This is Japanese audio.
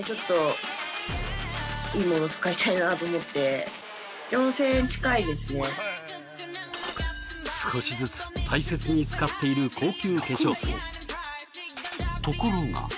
ところが。